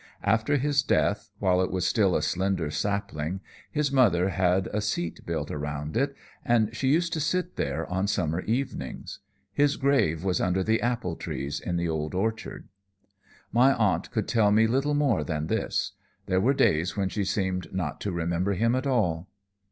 After his death, while it was still a slender sapling, his mother had a seat built round it, and she used to sit there on summer evenings. His grave was under the apple trees in the old orchard. "My aunt could tell me little more than this. There were days when she seemed not to remember him at all.